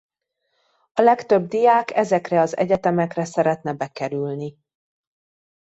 A legtöbb diák ezekre az egyetemekre szeretne bekerülni.